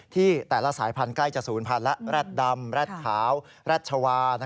ที่แต่ละสายพันธุ์ใกล้จะ๐๐๐๐และแรดดำแรดขาวแรดชาวา